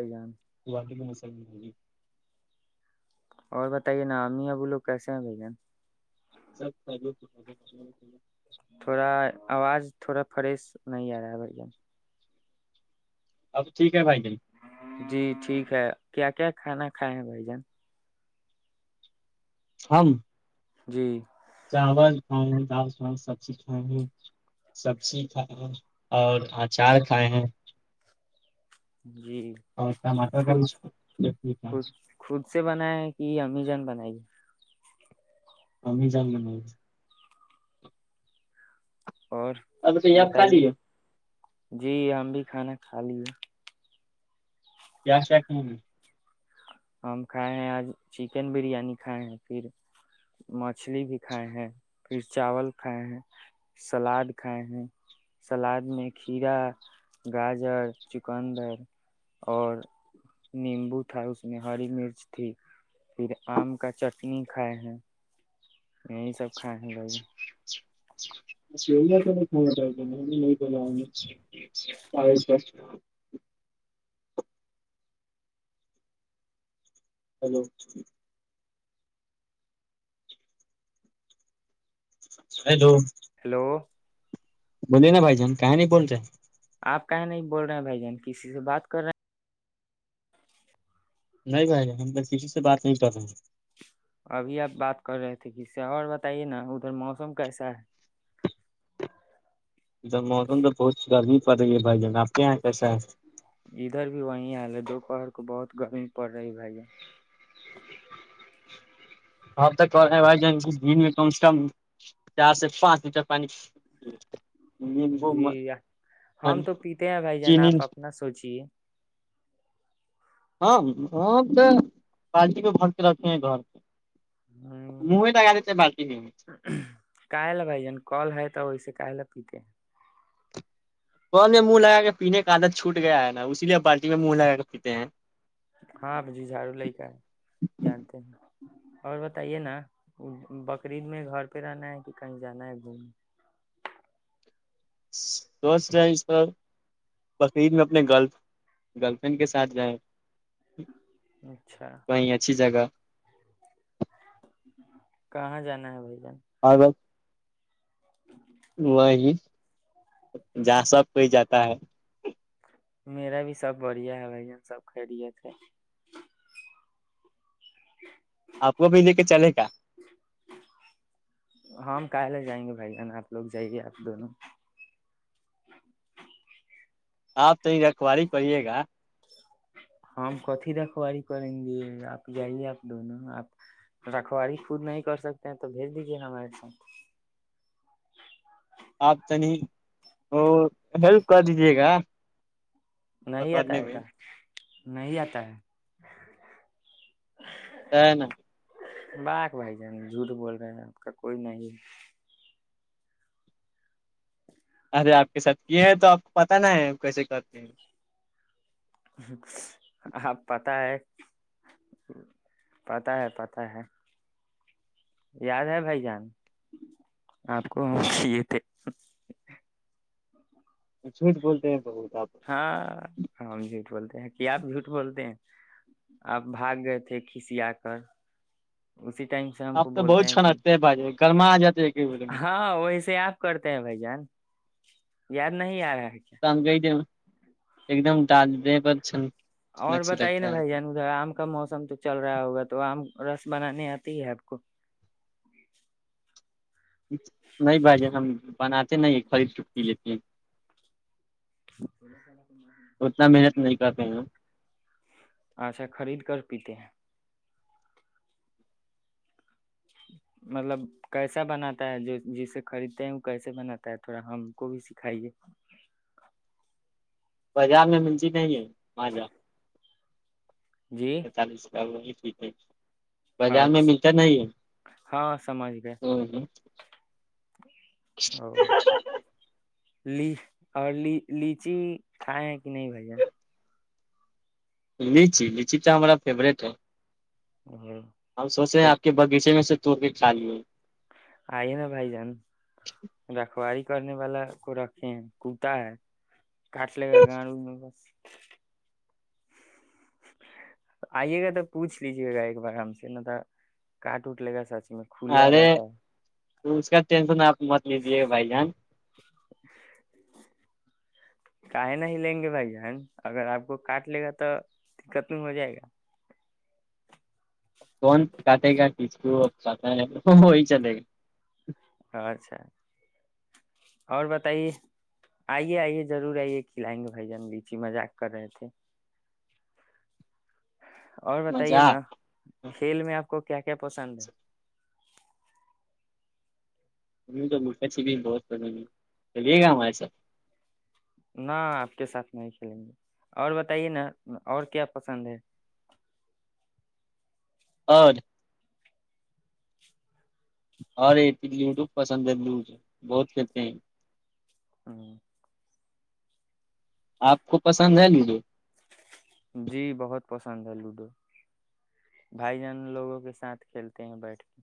بھ جان وہد میں مسلم ہوی اور بتائیے نام ہی اب لوگ کیسے ہیں بھ جن سب ف تھوڑا آواز تھوڑا فریش نہیں آ رہا ہے بڑیا اب ٹھیک کیا بھ جے جی ٹھیک ہے کیا کیا کھانا کھائے ہیں بھائی جان ہمم جی چاول کھائے ہیں دال چال سب چیز کھائے ہیں سبزی کھائے ہیں اور اچار کھائے ہیں جی اور ٹماٹر کا خود بھی چٹنی کھائے خود ہیں، خود سے بنایا کہ امیزان بنائے گی ہمیں جام میں اور اب توپ بتائیے خالی ہے جی ہم بھی کھانا کھا لیے کیا س کہ ہم کھائے ہیں آج چکن بریانی کھائے ہیں پھر مچھلی بھی کھائے ہیں پھر چاول کھائے ہیں سلاد کھائے ہیں سلاد میں کھیرا گاجر چکندر اور نیمبو تھا اس اس میں ہری مرچ تھی پھر آم کا چٹنی کھائے ہیں یہی سب کھائے ہیں بھائی یا توتا ب نہیں بلا آ ہلو ہیلو ہیلو بولیے نا بائی جان کہ نہیں بولتا ہے آپ کہیں نہیں بول رہے ہیں بھائی جان کسی سے بات کر رہے ہیں نہیں بھائی ہم پ کسی سے بات نہیں کر رہے ہیں ابھی آپ بات کر رہے تھے کہ اور بتائیے نا ادھر موسم کیسا ہے پت ہی بھائی جان آپ کے یہاں کیسا ہے ادھر بھی وہیں حال ہے دو کہر کو بہت گرمی پڑ رہی بھیا اب تک کر رہے ہیں بھائی جان دن میں کم سے کم چار سے پانچ لیٹر پانی نیمبو جی ہم تو پیتے ہیں بھائی جان چینی آپ اپنا سوچیے ہاں وہ تو پارٹی پ بگتے رکھے ہیں گھر پ موے لگا دی تھ بالق نہیں کاہلا بھائی جان کال ہے تو ویس کاہ ل پیتے ہیں کون میں منہ لگا کے پینے کا عدر چھوٹ گیا ہے نا اسی لیے بالٹی میں منہ لگا کے پیتے ہیں ہاں اب جی جھاڑو لے کا ہے جانتے ہیں اور بتائیے نا بقرریید میں گھر پہ رہنا ہے کہ کہیں جانا ہے گھومنے سوچ جائ اس پر بقرریید میں اپنے گر گرل فرینڈ کے ساتھ جائیں اچھا وہیں اچھی جگہ کہاں جانا ہے بھائی جان ہ بس وہی جا سب کوئی جاتا ہے میرا بھی سب بڑھیا ہے بھائی جن سب خرییے تھے آپ کوبھی لے کے چلے گا ہم کل جائیں گے بھائی جان آپ لوگ جائیے آپ دونوں آپ تو یہ رکھوال ہی پڑیے گا ہم کت ہی رکھواری کریں گے آپ جائیے آپ دونوں آپ رکھواری خود نہیں کر سکتے ہیں تو بھیج دیجیے ہمارے ساتھ آپ تنی وہ ہیلپ کر دیجے گا نہیں آتا پکڑنے ہے میں کا نہیں آتا ہے س ن بااک بھائی جان جھوٹ بول رہے ہیں آپ کا کوئی نہیں ارے آپ کے ساتھ کیے ہیں تو آپ کو پت نہ ہے کیسے کرتے ہیں آپ پت ہے پتا ہے پتا ہے یاد ہے بھائی جان آپ کو چے تھے جھوٹ بولتے ہیں ب ہاں ہم جھوٹ بولتے ہیں کیا آپ جھوٹ بولتے ہیں آپ بھاگ گئے تھے کھسییا کر اسی سے ہم کو آپ تو بولتے بہت ہیں کہ چھنکتے بھائی گرما آ جاتے ہیں بولے میں ہاں ویسے آپ کرتے ہیں بھائی جان یاار نہیں یار ہے کیا سم گئی د [inaudible] ایک دم ڈاج دے پر چ اور بتائیے نا بھائی جان ادھر آم کا موسم تو چل رہا ہوگا تو آم رس بنانانی آتی ہے آپ کو نہیں بجے ہم بناتے نہیں خرید چٹکی لیتے ہیں اتنا محنت نہیں کرتےے ہیں اچھا خرید کر پیتے ہیں مطلب کیسا بناتا ہے جو جسے خریدتے ہیں وہ کیسے بناتا ہے تھوڑا ہم کو بھی سکھائیے بازار میں می نہیں ہے م جا جی پتالس ل [inaudible] بازار میں اچھا ملتا نہیں ہے ہاں سمجھ گئے ہ ہ [inaudible] اور لیچی کھائے ہیں کہ نہیں بھیا لچی لچی تو ہمارا فیورورٹ ہے او ہمپ سوچے ہیں سب آپ کے باغیچے میں سے تو بھی چالو ہے آئیے نا بائی جان رھو آ کرنے والا کو رکھے ہیں کوتا ہے کٹ لگا گ بس آئیے گا تو پوچھ لیجیے گا ایک بار آرام سے نہ تھا کاٹ اٹ لے گا سچ اس کھلا رہتا ہے تو اس کا ٹینشن آپ مت لیجیے گا بھائی جان کاہ نہ ہی لیں گے بھائی اگر آپ کو کاٹ لے گا تو دقت نہیں ہو جائے گا کون کات ہے کا اس کو پ ہے وہی چلے گا اچھا اور بتائیے آئیے آئیے ضرور آئیے کھلائیں گے بھائی جان لیچی مذاق کر رہے تھے اور بتائیے مزہ نا کھیل میں آپ کو کیا کیا پسند ہے تو م چ بہ چلیے گیا ہمارے س نہ آپ کے ساتھ نہیں کھیلیں گے اور بتائیے نا اور کیا پسند ہے اور ہروٹو پسند لوٹ بہت کہتے ہیں [inaudible] آپ کو پسند ہے لیھے جی بہت پسند ہے لوڈو بھائی جان لوگوں کے ساتھ کھیلتے ہیں بیٹھ کے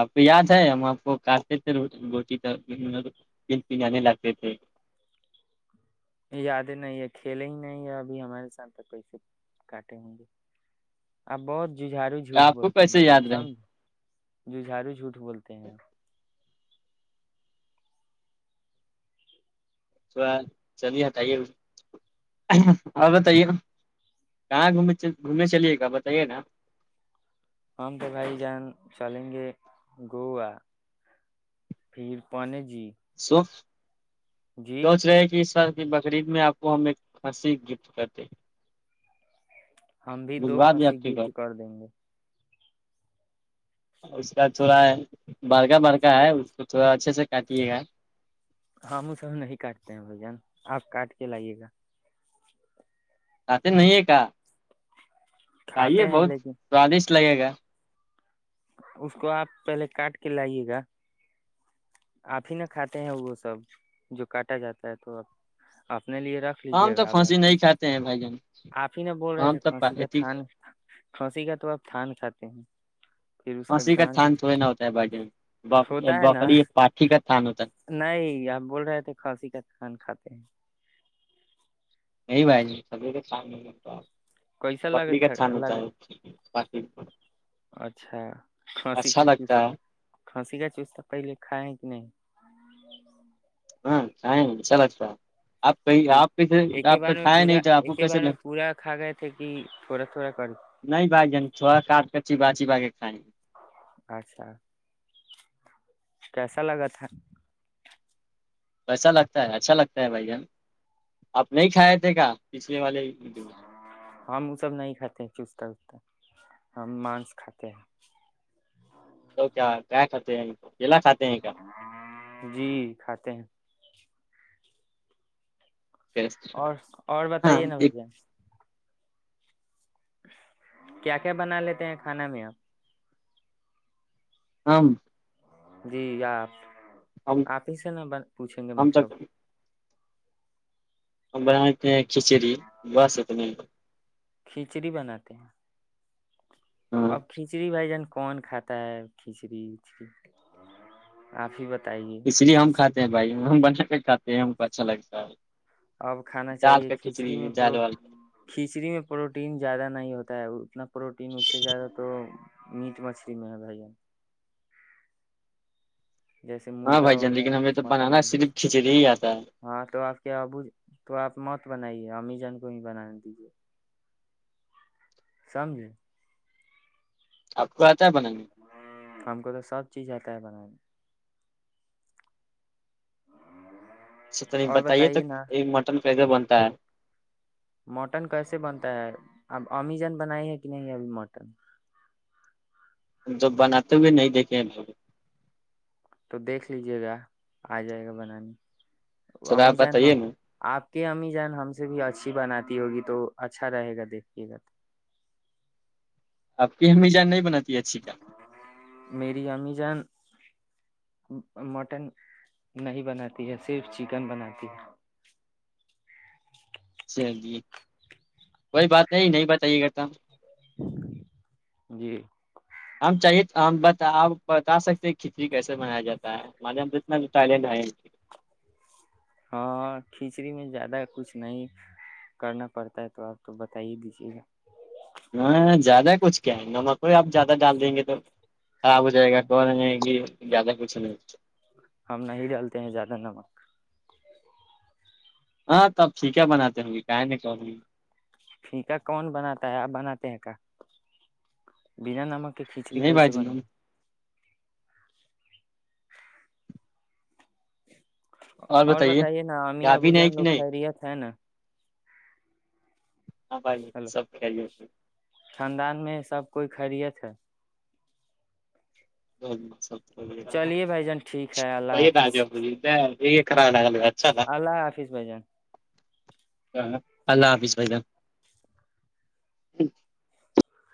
آپ کو یاد ہے ہم آپ کو کاتے تھے روٹی تو پے لاتے تھے یادیں نہیں ہے کھیلے ہی نہیں ہے ابھی ہمارے سام تک پیسے کاٹے ہوں گے اپ بہت ججھارو جھوٹ آپ کو بولتے ہیں کیسے بھائیان یاد رہے سام جو جھارو جھوٹ بولتے ہیں تو چلی بتائیے اور بتائیے کہاں گ گھوم چلیے گا بتائیے نا ہم تو بھائی جان چلیں گے گوا پھر پونے س [inaudible] جی سوچ رہے ہیں کہ سر بقرریید میں آپ کو ہم ایک ہنسی گفٹ کرتے ہم بھی دو بجوا دیں کھسی آپ کے گفٹ گھر کر دیں گے [inaudible] ہماں وہ سب نہیں کاٹتے ہیں بھجن آپ کاٹ کے لائیے گا اط نہیں ہے کا کاہے کھاتے ہیں بہت لیکن سوادشٹ ک لگے گا اس کو آپ پہلے کاٹ کے لائیے گا آپ ہی نہا کھاتے ہیں وہ سب جو کاٹا جاتا ہے تو آپ اپنے لیے رکھ ہماں ہم لیجیے تو گا پھانسی باقی نہیں کاتے ہیں بھائی ج ہم آپ ہی نہا بول رہے تھے کھانسی کا تھان کھانسی کا تو آپ تھان کھاتے ہیں پھر اس کا گ تھان تھوڑے نہ ہوتا ہے بھائی جان ہوتا ہے نا بکری پاٹھی کا تھان ہوتا ہے نہیں آپ بول رہے تھے کھانسی کا تھان کھاتے ہیں نہیں بھائی ج سب کے شامنے م آپ کیسا لگا بکری کا تھا تھھان ہوتا لگا ہے اچھا کھانسی اچھا کا چوس لگتا ہے کھانسی کا چوز تو پہلے کھائے کہ نہیں ہاں چاہیںشالکسا آپ کہ پورا- آپ کیے ایک ہی آپ بار میں کھیا پورا نہیں تھ آپ کو ایک ہی کیسے بار ل میں پورا کھا گئے تھے کہ تھوڑا تھوڑا کر نہیں بھائی ج چوڑا کٹ کر چی بچی باغ کھیں اچھا کیسا لگا تھا ایسا لگتا ہے اچھا لگتا ہے بھ ج آپ نہیں کھائے تھے کیا والے ہم وہ سب نہیں کھاتے چستتا وستا ہم مانس کھات تو کیا کیا کات ہیں تو [unintelligible] اور اور ہاں بتائیے نا ایک بھیا کیا کیا بنا لیتے ہیں کھانا میں ہم جی آپ ہم آپ ہی سے نہ ب پوچھیں گے ہم تو مطلب ہم بن لیتے ہیں کھچڑی بس اتنے ہی کھچڑی بناتے ہیں ہاں اب کھچڑی بھ جان کون کھاتا ہے کھچڑیچڑی آپ ہی بتا اس لیے ہم کھاتے ہیں بھائی ہم ب کھاتے ہیں ہم کو اچھا لگتا ہے اب کھانا دال چاہیے کا کھچڑی میں پرو دال وال کھچڑی میں پروٹین زیادہ نہیں ہوتا ہے اتنا پروٹین اس سے زیادہ تو میٹ مچھلی میں ہے بھائی جیسے ہاں مرغا بھائی ہو جان گیا لیکن ہمیں تو مٹن بنانا ہویا صرف کھچڑی ہی آتا ہے ہاں تو آپ کے ابو تو آپ مت بنائیے امی جان کو بھی بناانا دیجیے سمھے آپ کو آتا ہے بنانا ہم کو تو سب چیز آتا ہے بنانے میں اچھا تو نہیں اور بتائیے تو نا مٹن پضہ بنتا ہے مٹن کیسے بنتا ہے اب امیزن بنائی ہے کہ نہیں ابھی مٹن ہم تو بناتے ہوئے نہیں دیکھے ہیں لگ تو دیکھ لیجے گا آ جائے گا بنانے تھوڑا امی آپ جان ہ بتائیے نا آپ کہ امی جان ہم سے بھی اچھی بناتی ہوگی تو اچھا رہے گا دیکھیے گا تو اب کی ہممی جان نہیں بنا میری امی جان مٹن نہیں بناتی ہے صرف چکن بناتی ہے چلی ج کوئی بات نہیں نہیں بتائیے کرتا ہوں جی ہم چاہیے ہم آپ بتا سکتے ہیں کھچڑی کیسے منایا جاتا ہےے اتنا لینڈ ہے ہاں کھچڑی میں زیادہ کچھ نہیں کرنا پڑتا ہے تو آپ تو بتا ہی دیجیے گا ہاں زیادہ کچھ کیا ہے نمک ہو آپ زیادہ ڈال دیں گے تو خراب ہو جائے گا کو رہ گی زیادہ کچھ نہیں ہم نہیں ڈالتے ہیں زیادہ نمک ہاں تب سھیک بناتے ہوں گے کہیں نہیں کہ گی پھیکا کون بناتا ہے آپ بناتے ہیں کیا بنا نمک کہ کھچڑی نہیں بھائی کیسے بنے جناب اور بتائیے نا اامی ابو گابھی نہیں جان کہ لوگ نہیں خیریت ہے نا ہاں بھائی سب کلی ہوتی خھاندان میں سب کوئی خریت ہے ج س چلیے بھائی جان ٹھیک ہے اللہ حافظ یہ کرا لگ اللہ آافس بھ جان اللہ حافظ بائیا